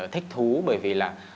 thích thú bởi vì là